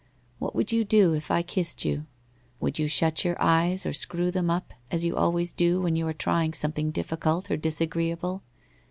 What would you do if I kissed you? Would you shut your eyes or screw them up, as you always do when you are try ing something difficult or disagreeable?